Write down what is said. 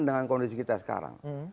dengan kondisi kita sekarang